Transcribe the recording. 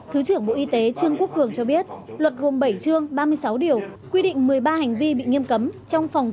trường trưởng bộ y tế t q kường cho biết luật ngộng triển đ la quán bổ ra về thi hành án phạt tù